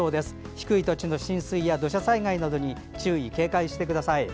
低い土地の浸水や土砂災害などに注意・警戒してください。